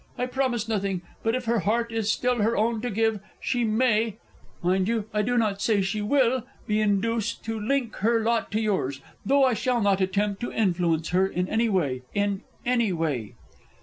I promise nothing; but if her heart is still her own to give, she may, (mind, I do not say she will,) be induced to link her lot to yours, though I shall not attempt to influence her in any way in any way.